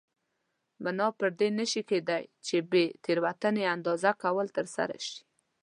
بنا پر دې نه شي کېدای چې بې تېروتنې اندازه کول ترسره شي.